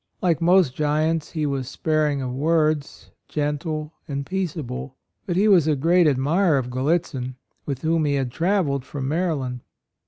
Like most giants, he was sparing of words, gentle and peaceable; but he was a great admirer of Gallitzin, with whom he had travelled from Maryland.